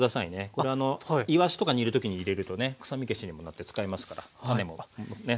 これあのイワシとか煮る時に入れるとね臭み消しにもなって使えますから種もね